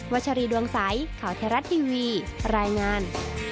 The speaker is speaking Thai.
ชัชรีดวงใสข่าวไทยรัฐทีวีรายงาน